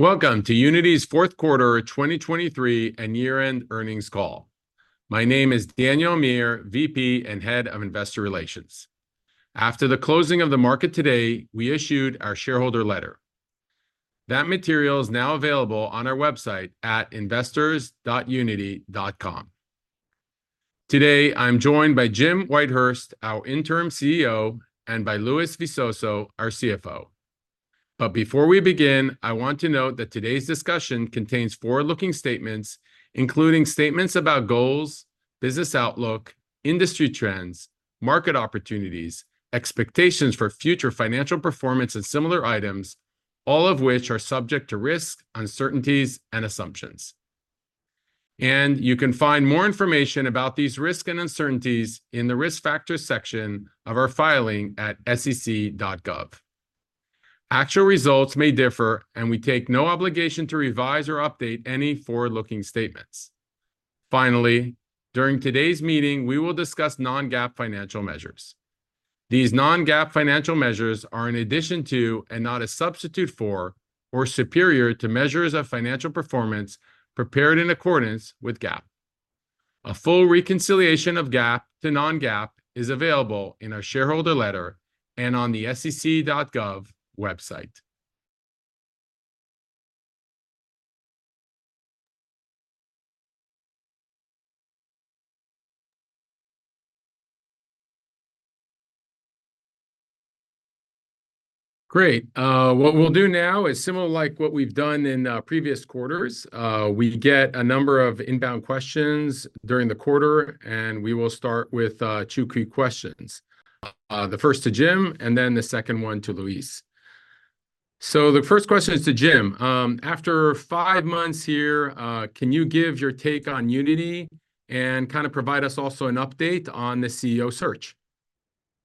Welcome to Unity's fourth quarter 2023 and year-end earnings call. My name is Daniel Amir, VP and Head of Investor Relations. After the closing of the market today, we issued our shareholder letter. That material is now available on our website at investors.unity.com. Today I'm joined by Jim Whitehurst, our interim CEO, and by Luis Visoso, our CFO. But before we begin, I want to note that today's discussion contains forward-looking statements, including statements about goals, business outlook, industry trends, market opportunities, expectations for future financial performance, and similar items, all of which are subject to risk, uncertainties, and assumptions. You can find more information about these risks and uncertainties in the risk factors section of our filing at sec.gov. Actual results may differ, and we take no obligation to revise or update any forward-looking statements. Finally, during today's meeting, we will discuss non-GAAP financial measures. These non-GAAP financial measures are in addition to and not a substitute for or superior to measures of financial performance prepared in accordance with GAAP. A full reconciliation of GAAP to non-GAAP is available in our shareholder letter and on the SEC.gov website. Great. What we'll do now is similar to what we've done in previous quarters. We get a number of inbound questions during the quarter, and we will start with two quick questions. The first to Jim, and then the second one to Luis. The first question is to Jim. After five months here, can you give your take on Unity and kind of provide us also an update on the CEO search?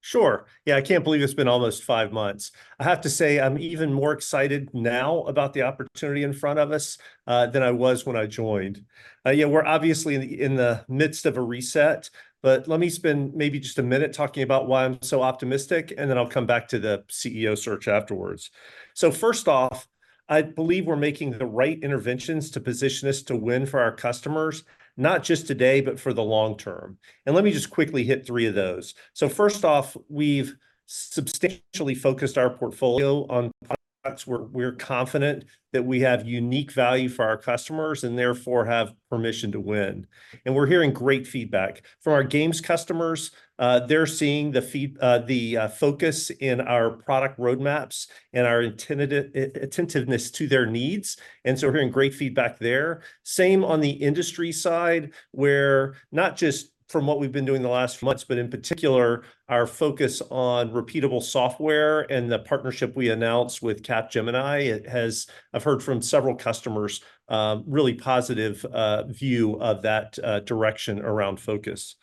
Sure. Yeah, I can't believe it's been almost five months. I have to say I'm even more excited now about the opportunity in front of us than I was when I joined. Yeah, we're obviously in the midst of a reset, but let me spend maybe just a minute talking about why I'm so optimistic, and then I'll come back to the CEO search afterwards. So first off, I believe we're making the right interventions to position us to win for our customers, not just today, but for the long term. And let me just quickly hit three of those. So first off, we've substantially focused our portfolio on products where we're confident that we have unique value for our customers and therefore have permission to win. And we're hearing great feedback from our games customers, they're seeing the focus in our product roadmaps and our attentiveness to their needs. So we're hearing great feedback there. Same on the industry side, where not just from what we've been doing the last few months, but in particular, our focus on repeatable software and the partnership we announced with Capgemini. I've heard from several customers a really positive view of that direction around focus.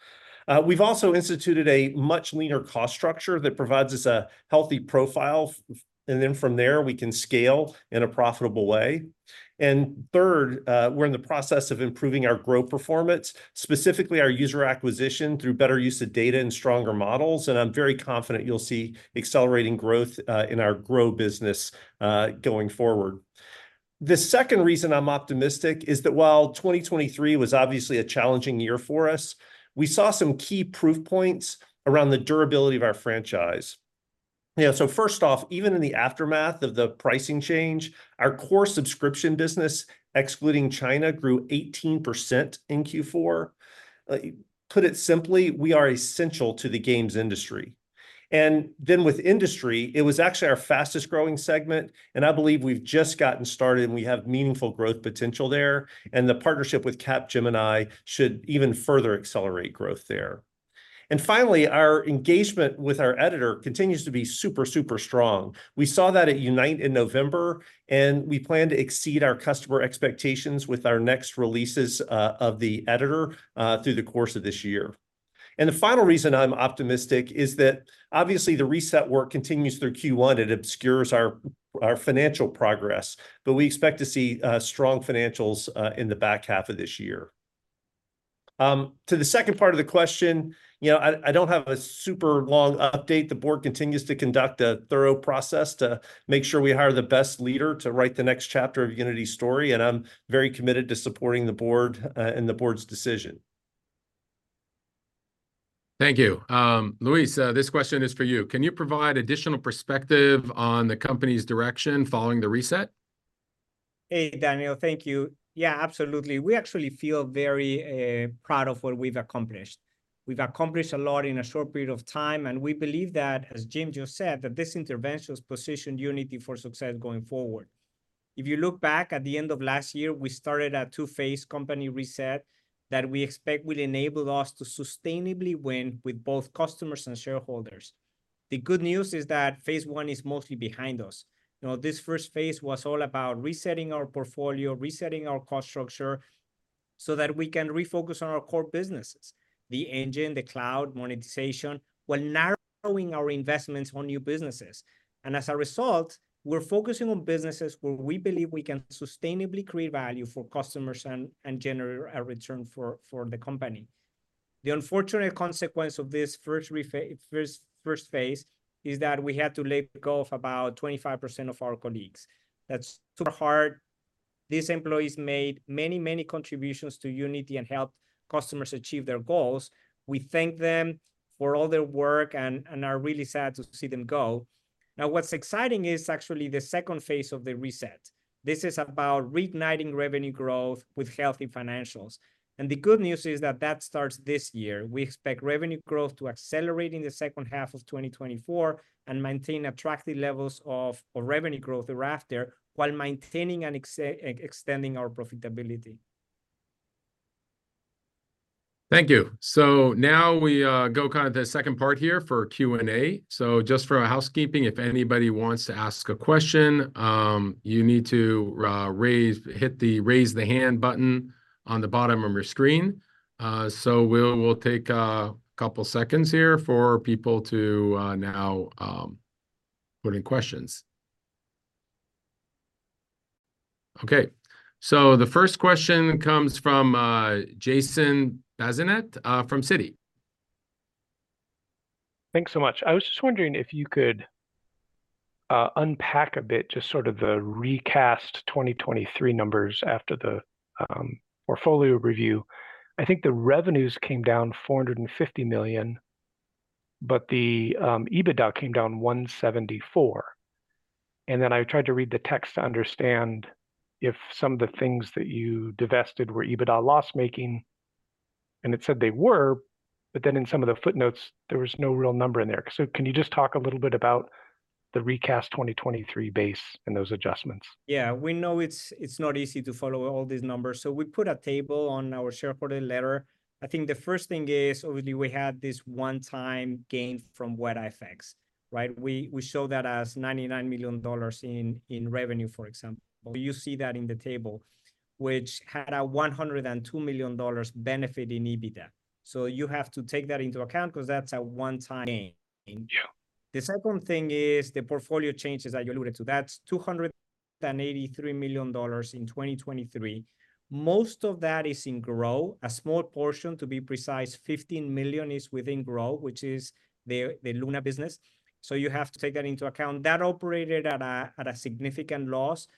We've also instituted a much leaner cost structure that provides us a healthy profile, and then from there, we can scale in a profitable way. Third, we're in the process of improving our growth performance, specifically our user acquisition through better use of data and stronger models. I'm very confident you'll see accelerating growth in our grow business going forward. The second reason I'm optimistic is that while 2023 was obviously a challenging year for us, we saw some key proof points around the durability of our franchise. First off, even in the aftermath of the pricing change, our core subscription business, excluding China, grew 18% in Q4. Put it simply, we are essential to the games industry. With industry, it was actually our fastest growing segment, and I believe we've just gotten started and we have meaningful growth potential there. The partnership with Capgemini should even further accelerate growth there. Finally, our engagement with our editor continues to be super, super strong. We saw that at Unite in November, and we plan to exceed our customer expectations with our next releases of the editor through the course of this year. The final reason I'm optimistic is that obviously the reset work continues through Q1. It obscures our financial progress, but we expect to see strong financials in the back half of this year. To the second part of the question, I don't have a super long update. The board continues to conduct a thorough process to make sure we hire the best leader to write the next chapter of Unity's story. I'm very committed to supporting the board and the board's decision. Thank you. Luis, this question is for you. Can you provide additional perspective on the company's direction following the reset? Hey, Daniel, thank you. Yeah, absolutely. We actually feel very proud of what we've accomplished. We've accomplished a lot in a short period of time, and we believe that, as Jim just said, that this intervention has positioned Unity for success going forward. If you look back at the end of last year, we started a two-phase company reset that we expect will enable us to sustainably win with both customers and shareholders. The good news is that phase one is mostly behind us. This first phase was all about resetting our portfolio, resetting our cost structure so that we can refocus on our core businesses: the engine, the cloud, monetization, while narrowing our investments on new businesses. And as a result, we're focusing on businesses where we believe we can sustainably create value for customers and generate a return for the company. The unfortunate consequence of this first phase is that we had to let go of about 25% of our colleagues. That's hard. These employees made many, many contributions to Unity and helped customers achieve their goals. We thank them for all their work and are really sad to see them go. Now, what's exciting is actually the second phase of the reset. This is about reigniting revenue growth with healthy financials. And the good news is that that starts this year. We expect revenue growth to accelerate in the second half of 2024 and maintain attractive levels of revenue growth thereafter while maintaining and extending our profitability. Thank you. So now we go kind of to the second part here for Q&A. So just for housekeeping, if anybody wants to ask a question, you need to hit the raise hand button on the bottom of your screen. So we'll take a couple of seconds here for people to now put in questions. Okay. So the first question comes from Jason Bazinet from Citi. Thanks so much. I was just wondering if you could unpack a bit just sort of the recast 2023 numbers after the portfolio review. I think the revenues came down $450 million, but the EBITDA came down $174 million. And then I tried to read the text to understand if some of the things that you divested were EBITDA loss-making. And it said they were, but then in some of the footnotes, there was no real number in there. So can you just talk a little bit about the recast 2023 base and those adjustments? Yeah, we know it's not easy to follow all these numbers. We put a table on our shareholder letter. I think the first thing is, obviously, we had this one-time gain from Weta FXs, right? We show that as $99 million in revenue, for example. You see that in the table, which had a $102 million benefit in EBITDA. You have to take that into account because that's a one-time gain. The second thing is the portfolio changes that you alluded to. That's $283 million in 2023. Most of that is in Grow. A small portion, to be precise, $15 million is within Grow, which is the Luna business. You have to take that into account. That operated at a significant loss,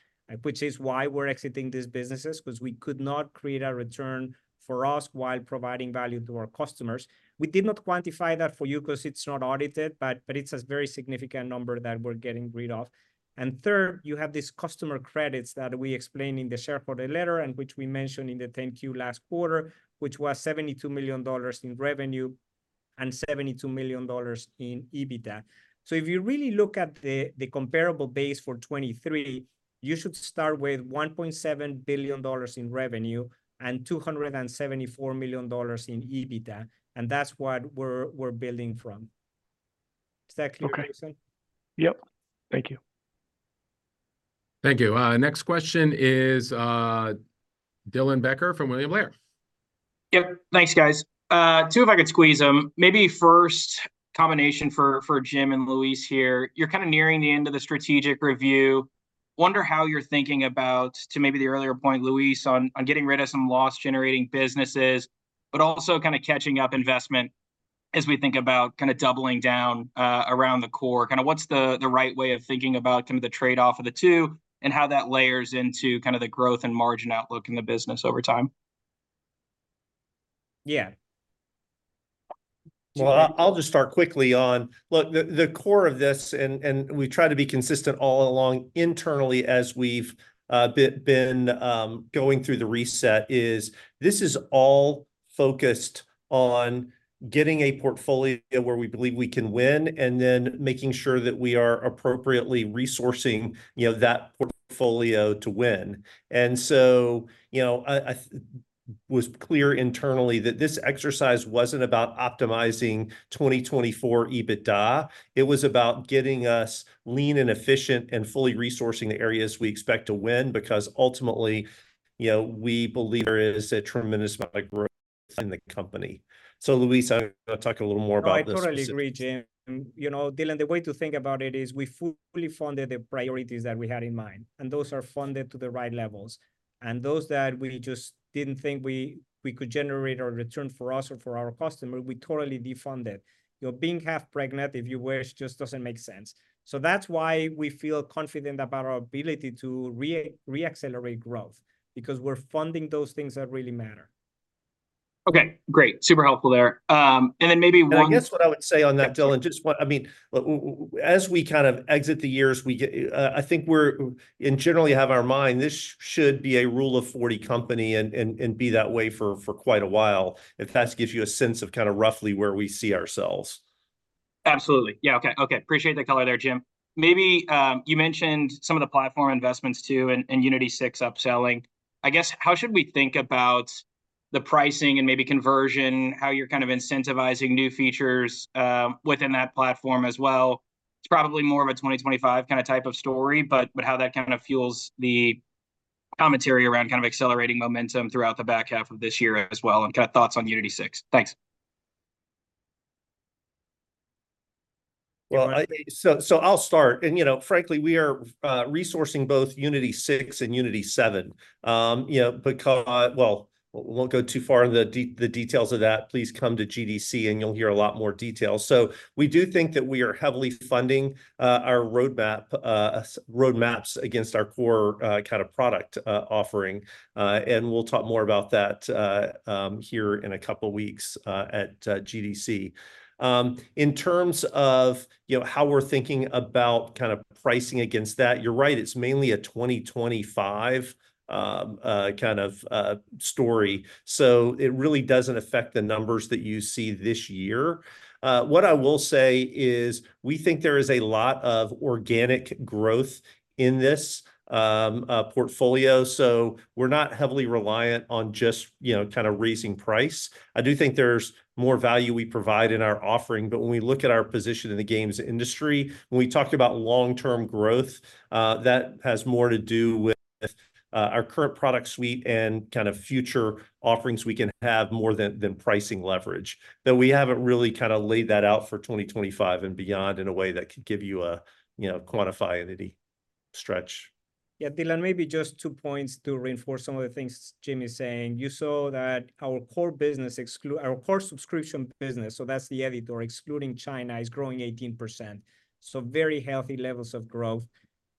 which is why we're exiting these businesses, because we could not create a return for us while providing value to our customers. We did not quantify that for you because it's not audited, but it's a very significant number that we're getting rid of. And third, you have these customer credits that we explained in the shareholder letter and which we mentioned in the 10-Q last quarter, which was $72 million in revenue and $72 million in EBITDA. So if you really look at the comparable base for 2023, you should start with $1.7 billion in revenue and $274 million in EBITDA, and that's what we're building from. Is that clear, Jason? Yep. Thank you. Thank you. Next question is Dylan Becker from William Blair. Yep. Thanks, guys. Two, if I could squeeze them. Maybe first combination for Jim and Luis here. You're kind of nearing the end of the strategic review. Wonder how you're thinking about, to maybe the earlier point, Luis, on getting rid of some loss-generating businesses, but also kind of catching up investment as we think about kind of doubling down around the core. Kind of what's the right way of thinking about kind of the trade-off of the two and how that layers into kind of the growth and margin outlook in the business over time? Yeah. Well, I'll just start quickly on look, the core of this, and we try to be consistent all along internally as we've been going through the reset, is this is all focused on getting a portfolio where we believe we can win and then making sure that we are appropriately resourcing that portfolio to win. So it was clear internally that this exercise wasn't about optimizing 2024 EBITDA. It was about getting us lean and efficient and fully resourcing the areas we expect to win because ultimately, we believe there is a tremendous amount of growth in the company. So Luis, I'm going to talk a little more about this. I totally agree, Jim. Dylan, the way to think about it is we fully funded the priorities that we had in mind, and those are funded to the right levels. And those that we just didn't think we could generate a return for us or for our customer, we totally defunded. Being half pregnant, if you wish, just doesn't make sense. So that's why we feel confident about our ability to reaccelerate growth because we're funding those things that really matter. Okay. Great. Super helpful there. And then maybe one. I guess what I would say on that, Dylan, just, I mean, as we kind of exit this year, I think we're, and generally have in mind, this should be a Rule of 40 company and be that way for quite a while, if that gives you a sense of kind of roughly where we see ourselves. Absolutely. Yeah. Okay. Okay. Appreciate the color there, Jim. You mentioned some of the platform investments too and Unity 6 upselling. I guess how should we think about the pricing and maybe conversion, how you're kind of incentivizing new features within that platform as well? It's probably more of a 2025 kind of type of story, but how that kind of fuels the commentary around kind of accelerating momentum throughout the back half of this year as well and kind of thoughts on Unity 6? Thanks. Well, so I'll start. And frankly, we are resourcing both Unity 6 and Unity 7 because, well, we won't go too far into the details of that. Please come to GDC and you'll hear a lot more details. So we do think that we are heavily funding our roadmaps against our core kind of product offering. And we'll talk more about that here in a couple of weeks at GDC. In terms of how we're thinking about kind of pricing against that, you're right. It's mainly a 2025 kind of story. So it really doesn't affect the numbers that you see this year. What I will say is we think there is a lot of organic growth in this portfolio. So we're not heavily reliant on just kind of raising price. I do think there's more value we provide in our offering. But when we look at our position in the games industry, when we talk about long-term growth, that has more to do with our current product suite and kind of future offerings we can have more than pricing leverage. Though we haven't really kind of laid that out for 2025 and beyond in a way that could give you a quantifiability stretch. Yeah, Dylan, maybe just two points to reinforce some of the things Jim is saying. You saw that our core business, our core subscription business, so that's the editor, excluding China, is growing 18%. So very healthy levels of growth.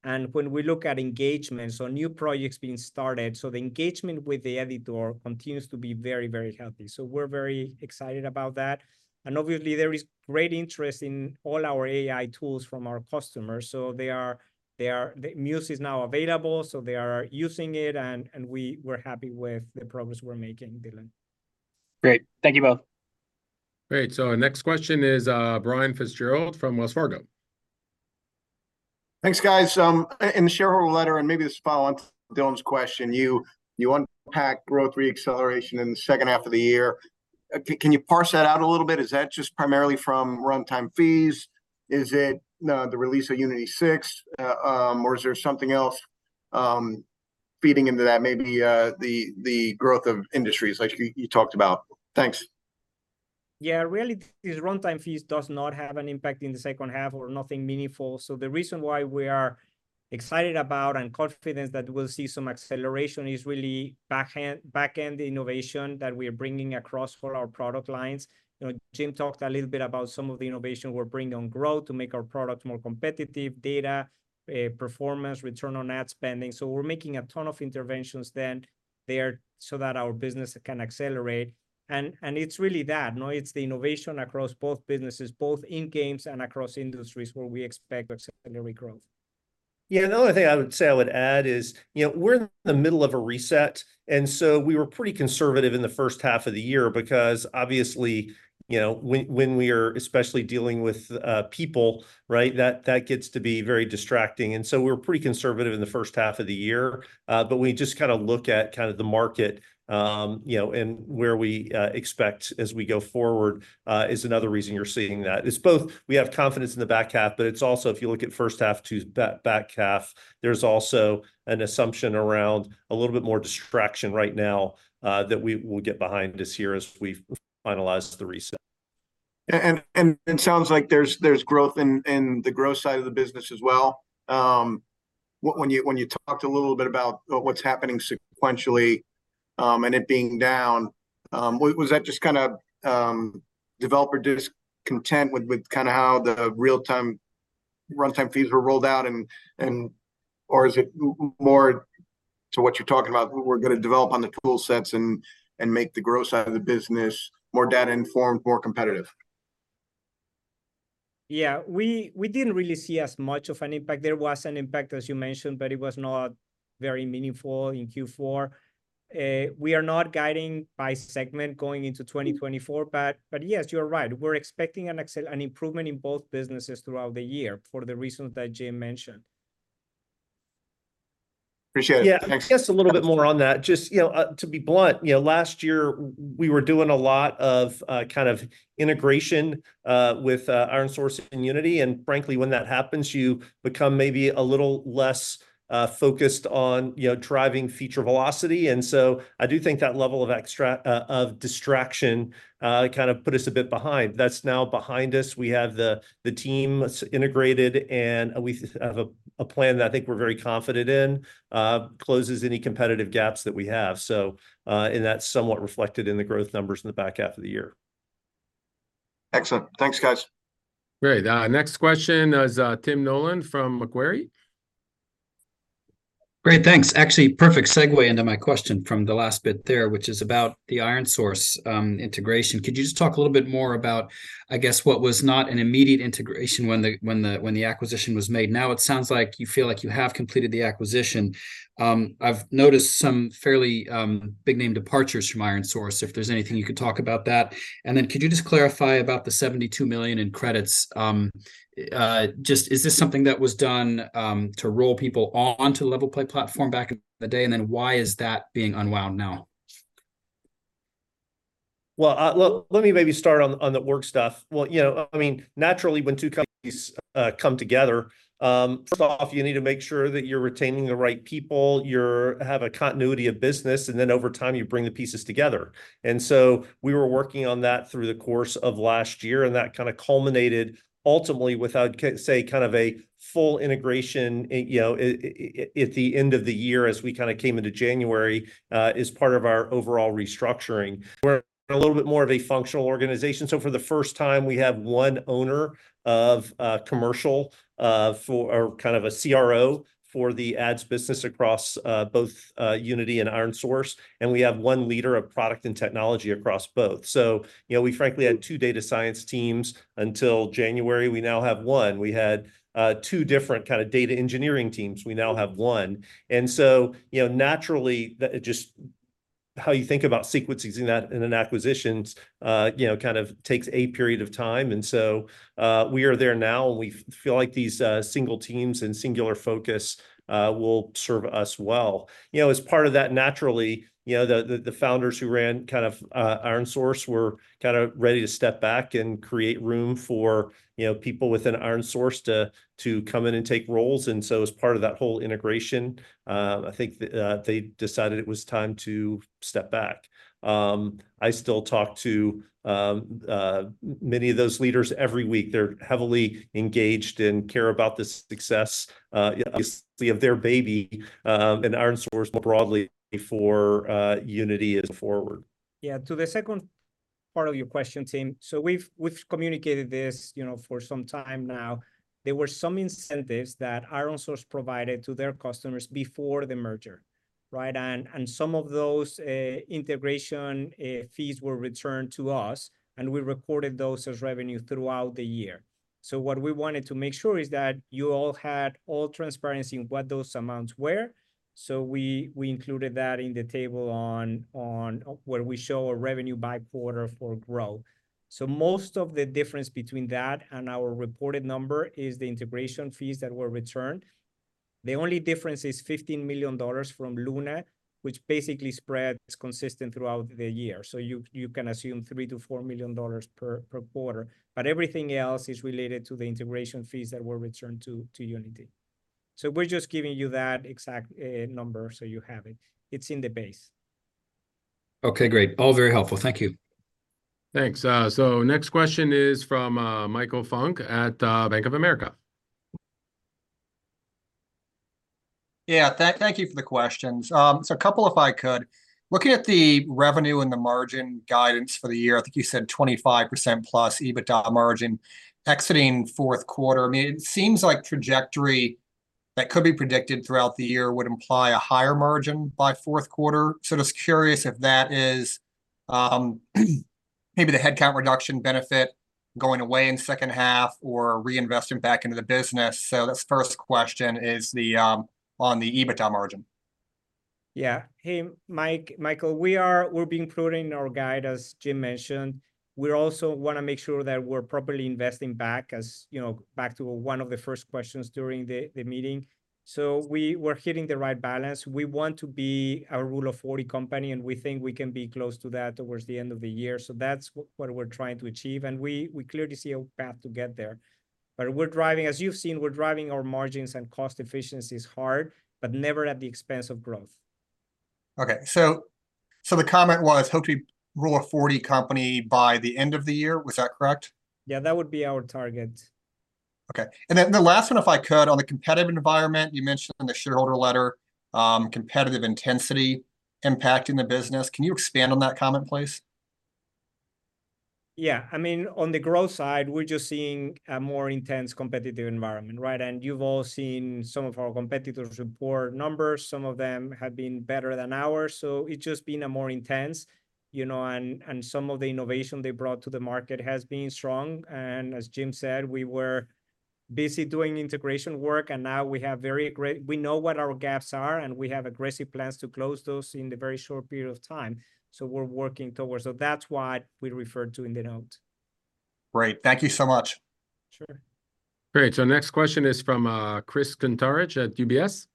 And when we look at engagement, so new projects being started, so the engagement with the editor continues to be very, very healthy. So we're very excited about that. And obviously, there is great interest in all our AI tools from our customers. So the Muse is now available, so they are using it, and we're happy with the progress we're making, Dylan. Great. Thank you both. Great. So our next question is Brian Fitzgerald from Wells Fargo. Thanks, guys. In the shareholder letter, and maybe this will follow on to Dylan's question, you unpacked growth reacceleration in the second half of the year. Can you parse that out a little bit? Is that just primarily from runtime fees? Is it the release of Unity six, or is there something else feeding into that, maybe the growth of industries like you talked about? Thanks. Yeah, really, these runtime fees do not have an impact in the second half or nothing meaningful. So the reason why we are excited about and confident that we'll see some acceleration is really backend innovation that we're bringing across for our product lines. Jim talked a little bit about some of the innovation we're bringing on Grow to make our products more competitive, data, performance, return on ad spending. So we're making a ton of interventions then there so that our business can accelerate. And it's really that. It's the innovation across both businesses, both in games and across industries where we expect to accelerate growth. Yeah, another thing I would say I would add is we're in the middle of a reset. And so we were pretty conservative in the first half of the year because obviously, when we are especially dealing with people, right, that gets to be very distracting. And so we were pretty conservative in the first half of the year. But when you just kind of look at kind of the market and where we expect as we go forward is another reason you're seeing that. It's both we have confidence in the back half, but it's also if you look at first half to back half, there's also an assumption around a little bit more distraction right now that we will get behind us here as we finalize the reset. It sounds like there's growth in the growth side of the business as well. When you talked a little bit about what's happening sequentially and it being down, was that just kind of developer discontent with kind of how the real-time Runtime Fee was rolled out, or is it more to what you're talking about, we're going to develop on the tool sets and make the growth side of the business more data-informed, more competitive? Yeah, we didn't really see as much of an impact. There was an impact, as you mentioned, but it was not very meaningful in Q4. We are not guiding by segment going into 2024, but yes, you're right. We're expecting an improvement in both businesses throughout the year for the reasons that Jim mentioned. Appreciate it. Thanks. Yeah, just a little bit more on that. Just to be blunt, last year, we were doing a lot of kind of integration with ironSource and Unity. And frankly, when that happens, you become maybe a little less focused on driving feature velocity. And so I do think that level of distraction kind of put us a bit behind. That's now behind us. We have the team integrated, and we have a plan that I think we're very confident in closes any competitive gaps that we have. And that's somewhat reflected in the growth numbers in the back half of the year. Excellent. Thanks, guys. Great. Next question is Tim Nolan from Macquarie. Great. Thanks. Actually, perfect segue into my question from the last bit there, which is about the ironSource integration. Could you just talk a little bit more about, I guess, what was not an immediate integration when the acquisition was made? Now it sounds like you feel like you have completed the acquisition. I've noticed some fairly big-name departures from ironSource. If there's anything, you could talk about that. And then could you just clarify about the $72 million in credits? Is this something that was done to roll people onto LevelPlay platform back in the day, and then why is that being unwound now? Well, let me maybe start on the work stuff. Well, I mean, naturally, when two companies come together, first off, you need to make sure that you're retaining the right people, you have a continuity of business, and then over time, you bring the pieces together. And so we were working on that through the course of last year, and that kind of culminated ultimately without, say, kind of a full integration at the end of the year as we kind of came into January as part of our overall restructuring. We're a little bit more of a functional organization. So for the first time, we have one owner of commercial or kind of a CRO for the ads business across both Unity and ironSource. And we have one leader of product and technology across both. So we frankly had two data science teams until January. We now have one. We had two different kind of data engineering teams. We now have one. And so naturally, just how you think about sequencing that in an acquisition kind of takes a period of time. And so we are there now, and we feel like these single teams and singular focus will serve us well. As part of that, naturally, the founders who ran kind of ironSource were kind of ready to step back and create room for people within ironSource to come in and take roles. And so as part of that whole integration, I think they decided it was time to step back. I still talk to many of those leaders every week. They're heavily engaged and care about the success, obviously, of their baby. And ironSource more broadly for Unity is forward. Yeah. To the second part of your question, Tim. So we've communicated this for some time now. There were some incentives that ironSource provided to their customers before the merger, right? And some of those integration fees were returned to us, and we recorded those as revenue throughout the year. So what we wanted to make sure is that you all had all transparency in what those amounts were. So we included that in the table where we show a revenue by quarter for growth. So most of the difference between that and our reported number is the integration fees that were returned. The only difference is $15 million from Luna, which basically spread is consistent throughout the year. So you can assume $3 million-$4 million per quarter. But everything else is related to the integration fees that were returned to Unity. We're just giving you that exact number so you have it. It's in the base. Okay. Great. All very helpful. Thank you. Thanks. So next question is from Michael Funk at Bank of America. Yeah. Thank you for the questions. So a couple if I could. Looking at the revenue and the margin guidance for the year, I think you said 25%+ EBITDA margin exiting fourth quarter. I mean, it seems like trajectory that could be predicted throughout the year would imply a higher margin by fourth quarter. So just curious if that is maybe the headcount reduction benefit going away in second half or reinvesting back into the business. So that first question is on the EBITDA margin. Yeah. Hey, Michael, we're being prudent in our guide, as Jim mentioned. We also want to make sure that we're properly investing back, back to one of the first questions during the meeting. So we're hitting the right balance. We want to be a Rule of 40 company, and we think we can be close to that towards the end of the year. So that's what we're trying to achieve. And we clearly see a path to get there. But as you've seen, we're driving our margins and cost efficiencies hard, but never at the expense of growth. Okay. So the comment was hoped to be Rule of 40 company by the end of the year. Was that correct? Yeah, that would be our target. Okay. And then the last one, if I could, on the competitive environment, you mentioned in the shareholder letter, competitive intensity impacting the business. Can you expand on that comment, please? Yeah. I mean, on the growth side, we're just seeing a more intense competitive environment, right? You've all seen some of our competitors report numbers. Some of them have been better than ours. It's just been more intense. Some of the innovation they brought to the market has been strong. As Jim said, we were busy doing integration work, and now we have very aggressive we know what our gaps are, and we have aggressive plans to close those in a very short period of time. We're working towards that. That's what we referred to in the note. Great. Thank you so much. Sure. Great. So next question is from Chris Kuntarichj at UBS.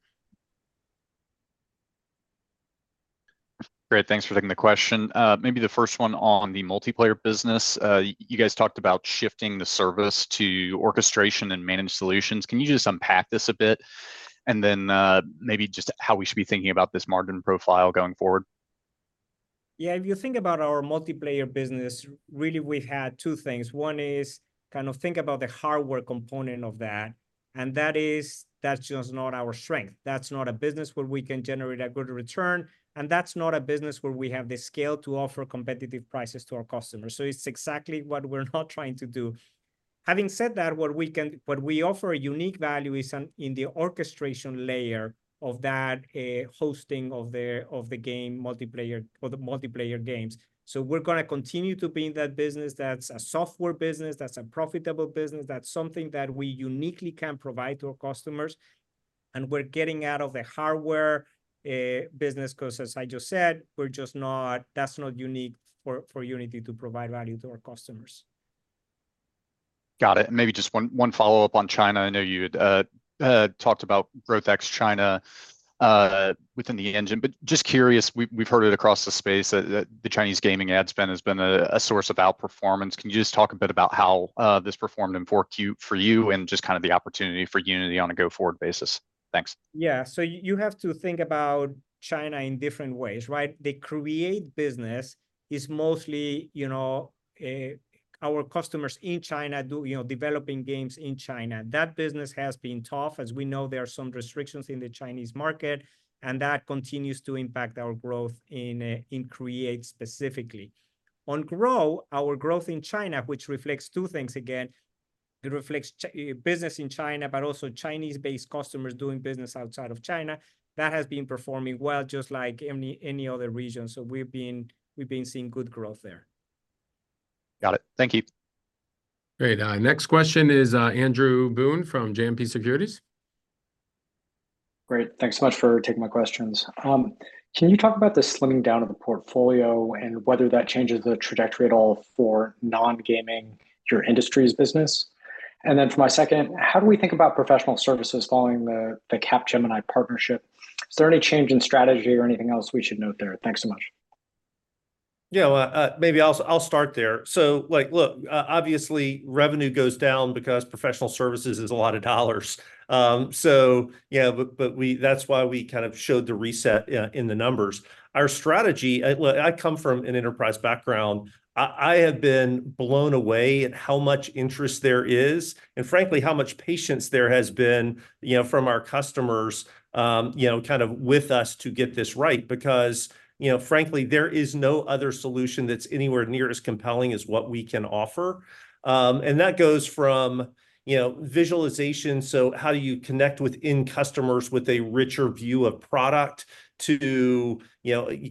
Great. Thanks for taking the question. Maybe the first one on the multiplayer business. You guys talked about shifting the service to orchestration and managed solutions. Can you just unpack this a bit? And then maybe just how we should be thinking about this margin profile going forward? Yeah. If you think about our multiplayer business, really, we've had two things. One is kind of think about the hardware component of that. And that is, that's just not our strength. That's not a business where we can generate a good return. And that's not a business where we have the scale to offer competitive prices to our customers. So it's exactly what we're not trying to do. Having said that, what we offer a unique value is in the orchestration layer of that hosting of the game multiplayer games. So we're going to continue to be in that business. That's a software business. That's a profitable business. That's something that we uniquely can provide to our customers. And we're getting out of the hardware business because, as I just said, that's not unique for Unity to provide value to our customers. Got it. Maybe just one follow-up on China. I know you had talked about growth ex- China within the engine. Just curious, we've heard it across the space that the Chinese gaming ad spend has been a source of outperformance. Can you just talk a bit about how this performed for you and just kind of the opportunity for Unity on a go-forward basis? Thanks. Yeah. So you have to think about China in different ways, right? The Create business is mostly our customers in China developing games in China. That business has been tough. As we know, there are some restrictions in the Chinese market, and that continues to impact our growth in create specifically. On Grow, our growth in China, which reflects two things again. It reflects business in China, but also Chinese-based customers doing business outside of China. That has been performing well just like any other region. So we've been seeing good growth there. Got it. Thank you. Great. Next question is Andrew Boone from JMP Securities. Great. Thanks so much for taking my questions. Can you talk about the slimming down of the portfolio and whether that changes the trajectory at all for non-gaming, your industry's business? And then for my second, how do we think about professional services following the Capgemini partnership? Is there any change in strategy or anything else we should note there? Thanks so much. Yeah. Maybe I'll start there. So look, obviously, revenue goes down because professional services is a lot of dollars. But that's why we kind of showed the reset in the numbers. Our strategy. I come from an enterprise background. I have been blown away at how much interest there is and frankly, how much patience there has been from our customers kind of with us to get this right because frankly, there is no other solution that's anywhere near as compelling as what we can offer. And that goes from visualization. So how do you connect within customers with a richer view of product to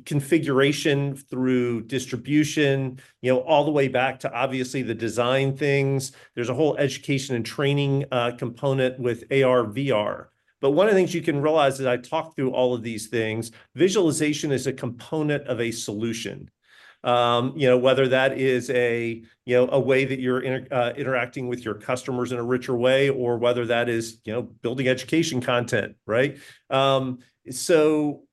configuration through distribution, all the way back to obviously the design things? There's a whole education and training component with AR/VR. But one of the things you can realize as I talk through all of these things, visualization is a component of a solution. Whether that is a way that you're interacting with your customers in a richer way or whether that is building education content, right? So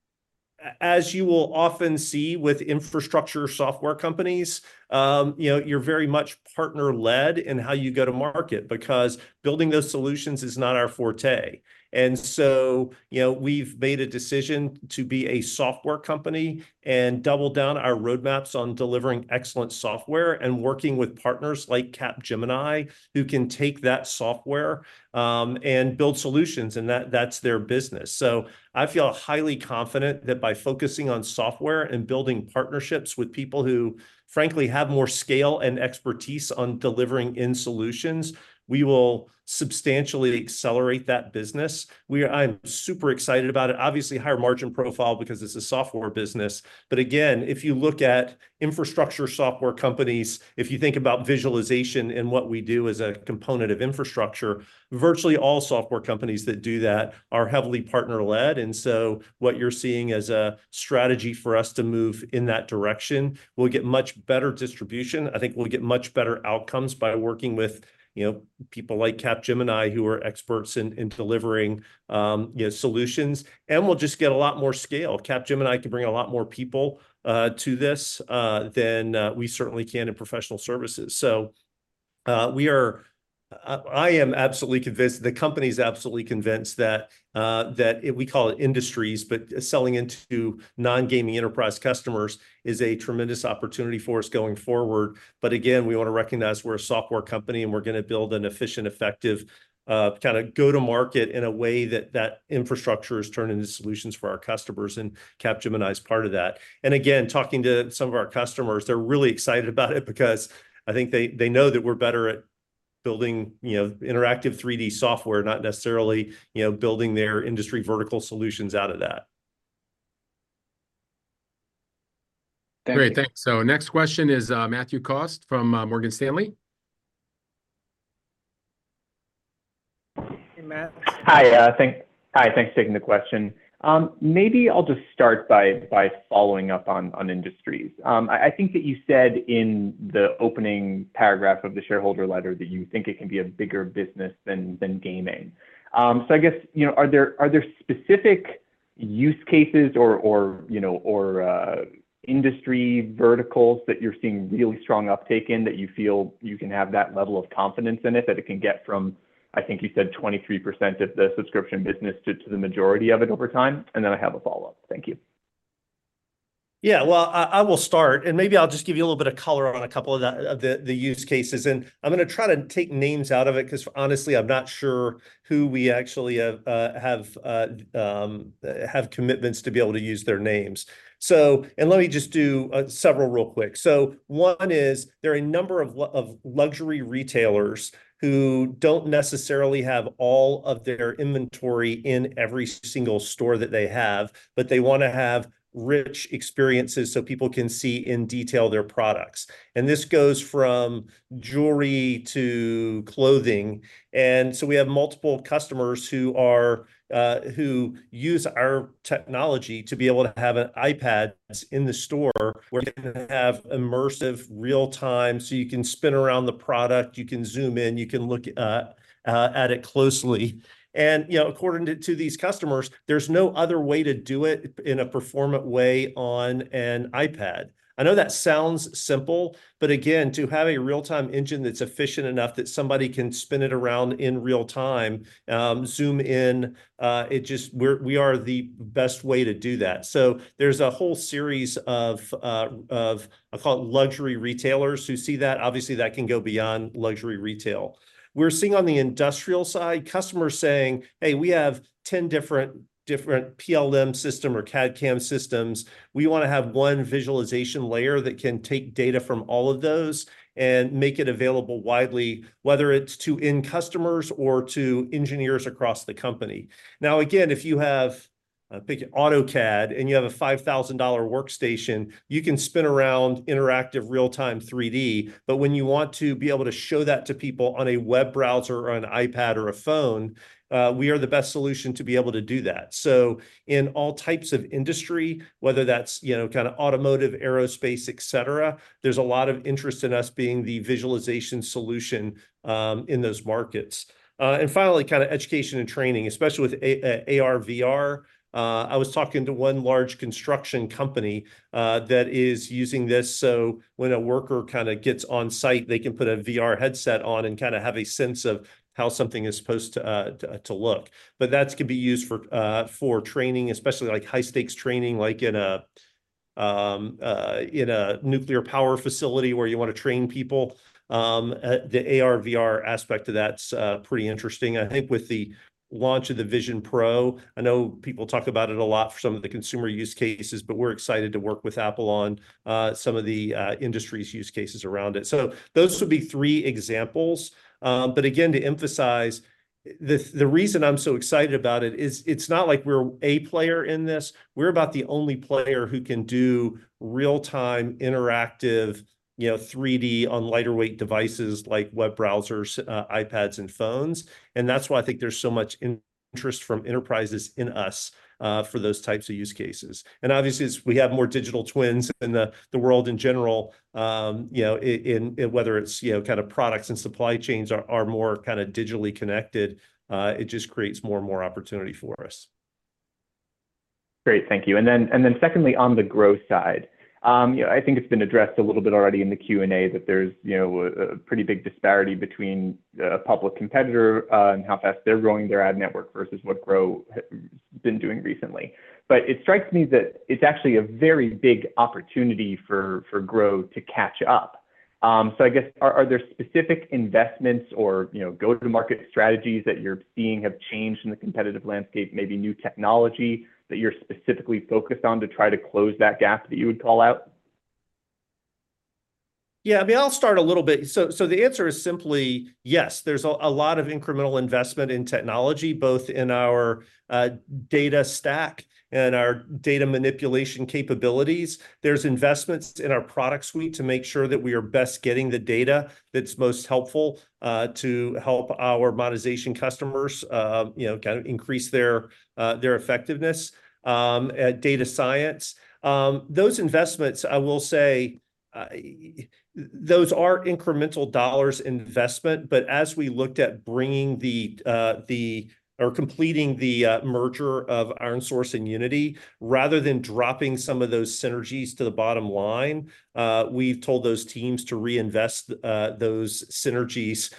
as you will often see with infrastructure software companies, you're very much partner-led in how you go to market because building those solutions is not our forte. And so we've made a decision to be a software company and double down our roadmaps on delivering excellent software and working with partners like Capgemini who can take that software and build solutions. And that's their business. So I feel highly confident that by focusing on software and building partnerships with people who frankly have more scale and expertise on delivering in solutions, we will substantially accelerate that business. I'm super excited about it. Obviously, higher margin profile because it's a software business. But again, if you look at infrastructure software companies, if you think about visualization and what we do as a component of infrastructure, virtually all software companies that do that are heavily partner-led. And so what you're seeing as a strategy for us to move in that direction, we'll get much better distribution. I think we'll get much better outcomes by working with people like Capgemini who are experts in delivering solutions. And we'll just get a lot more scale. Capgemini can bring a lot more people to this than we certainly can in professional services. So I am absolutely convinced the company is absolutely convinced that we call it Industries, but selling into non-gaming enterprise customers is a tremendous opportunity for us going forward. But again, we want to recognize we're a software company, and we're going to build an efficient, effective kind of go-to-market in a way that that infrastructure is turned into solutions for our customers. And Capgemini is part of that. And again, talking to some of our customers, they're really excited about it because I think they know that we're better at building interactive 3D software, not necessarily building their industry vertical solutions out of that. Great. Thanks. So next question is Matthew Cost from Morgan Stanley. Hi, thanks for taking the question. Maybe I'll just start by following up on industries. I think that you said in the opening paragraph of the shareholder letter that you think it can be a bigger business than gaming. So I guess, are there specific use cases or industry verticals that you're seeing really strong uptake in that you feel you can have that level of confidence in it, that it can get from, I think you said, 23% of the subscription business to the majority of it over time? And then I have a follow-up. Thank you. Yeah. Well, I will start. And maybe I'll just give you a little bit of color on a couple of the use cases. And I'm going to try to take names out of it because honestly, I'm not sure who we actually have commitments to be able to use their names. And let me just do several real quick. So one is there are a number of luxury retailers who don't necessarily have all of their inventory in every single store that they have, but they want to have rich experiences so people can see in detail their products. And this goes from jewelry to clothing. And so we have multiple customers who use our technology to be able to have iPads in the store where you can have immersive, real-time, so you can spin around the product, you can zoom in, you can look at it closely. According to these customers, there's no other way to do it in a performant way on an iPad. I know that sounds simple, but again, to have a real-time engine that's efficient enough that somebody can spin it around in real time, zoom in, we are the best way to do that. So there's a whole series of, I'll call it, luxury retailers who see that. Obviously, that can go beyond luxury retail. We're seeing on the industrial side, customers saying, "Hey, we have 10 different PLM systems or CAD/CAM systems. We want to have one visualization layer that can take data from all of those and make it available widely, whether it's to end customers or to engineers across the company." Now again, if you have, I'll pick AutoCAD, and you have a $5,000 workstation, you can spin around interactive, real-time 3D. But when you want to be able to show that to people on a web browser or an iPad or a phone, we are the best solution to be able to do that. So in all types of industry, whether that's kind of automotive, aerospace, etc., there's a lot of interest in us being the visualization solution in those markets. And finally, kind of education and training, especially with AR/VR. I was talking to one large construction company that is using this. So when a worker kind of gets on site, they can put a VR headset on and kind of have a sense of how something is supposed to look. But that can be used for training, especially high-stakes training like in a nuclear power facility where you want to train people. The AR/VR aspect of that's pretty interesting. I think with the launch of the Vision Pro, I know people talk about it a lot for some of the consumer use cases, but we're excited to work with Apple on some of the industry's use cases around it. So those would be three examples. But again, to emphasize, the reason I'm so excited about it is it's not like we're a player in this. We're about the only player who can do real-time, interactive 3D on lighter-weight devices like web browsers, iPads, and phones. And that's why I think there's so much interest from enterprises in us for those types of use cases. And obviously, as we have more digital twins in the world in general, whether it's kind of products and supply chains are more kind of digitally connected, it just creates more and more opportunity for us. Great. Thank you. And then secondly, on the growth side, I think it's been addressed a little bit already in the Q&A that there's a pretty big disparity between a public competitor and how fast they're growing their ad network versus what Grow has been doing recently. But it strikes me that it's actually a very big opportunity for Grow to catch up. So I guess, are there specific investments or go-to-market strategies that you're seeing have changed in the competitive landscape, maybe new technology that you're specifically focused on to try to close that gap that you would call out? Yeah. I mean, I'll start a little bit. So the answer is simply, yes, there's a lot of incremental investment in technology, both in our data stack and our data manipulation capabilities. There's investments in our product suite to make sure that we are best getting the data that's most helpful to help our monetization customers kind of increase their effectiveness at data science. Those investments, I will say, those are incremental dollars investment. But as we looked at bringing the, or completing the merger of ironSource and Unity, rather than dropping some of those synergies to the bottom line, we've told those teams to reinvest those synergies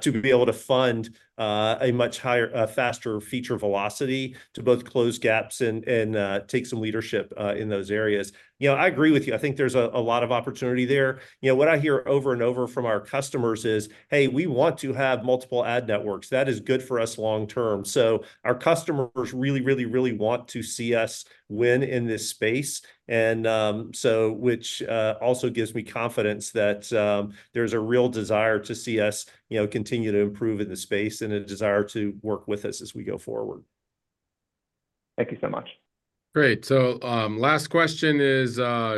to be able to fund a much higher, faster feature velocity to both close gaps and take some leadership in those areas. I agree with you. I think there's a lot of opportunity there. What I hear over and over from our customers is, "Hey, we want to have multiple ad networks. That is good for us long term." So our customers really, really, really want to see us win in this space. And so which also gives me confidence that there's a real desire to see us continue to improve in the space and a desire to work with us as we go forward. Thank you so much. Great. So last question is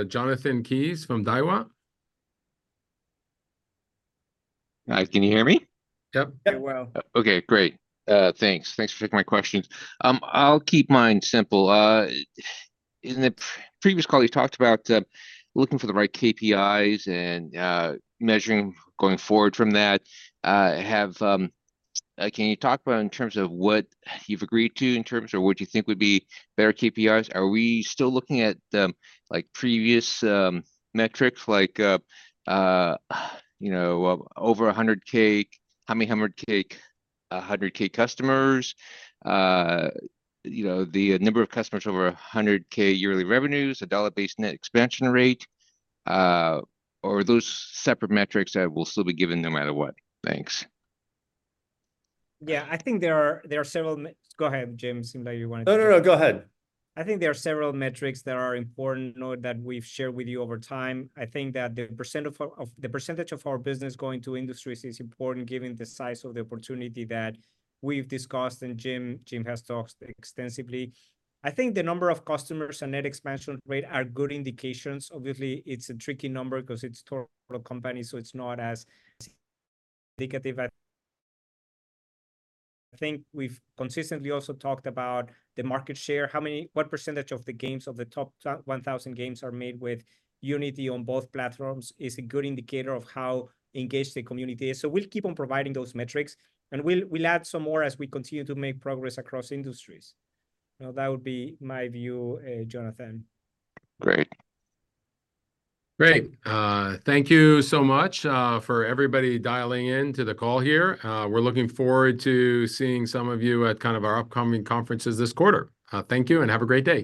Jonathan Keyes from Daiwa. Hi. Can you hear me? Yep. Very well. Okay. Great. Thanks. Thanks for taking my questions. I'll keep mine simple. In the previous call, you talked about looking for the right KPIs and measuring going forward from that. Can you talk about in terms of what you've agreed to in terms of what you think would be better KPIs? Are we still looking at previous metrics like over 100K, how many 100K customers, the number of customers over 100K yearly revenues, a dollar-based net expansion rate, or are those separate metrics that will still be given no matter what? Thanks. Yeah. I think there are several. Go ahead, Jim. Seemed like you wanted to. No, no, no. Go ahead. I think there are several metrics that are important that we've shared with you over time. I think that the percentage of our business going to Industries is important given the size of the opportunity that we've discussed and Jim has talked extensively. I think the number of customers and net expansion rate are good indications. Obviously, it's a tricky number because it's a total company, so it's not as indicative. I think we've consistently also talked about the market share. What percentage of the games of the top 1,000 games are made with Unity on both platforms is a good indicator of how engaged the community is. So we'll keep on providing those metrics, and we'll add some more as we continue to make progress across industries. That would be my view, Jonathan. Great. Great. Thank you so much for everybody dialing into the call here. We're looking forward to seeing some of you at kind of our upcoming conferences this quarter. Thank you and have a great day.